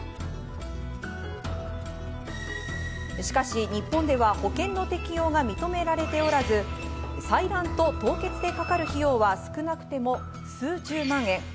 しかし、日本では保険の適用が認められておらず、採卵と凍結でかかる費用は少なくても数十万円。